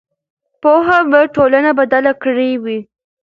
پوهه به ټولنه بدله کړې وي.